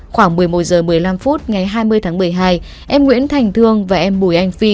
khoảng một mươi một h một mươi năm phút ngày hai mươi tháng một mươi hai em nguyễn thành thương và em bùi anh phi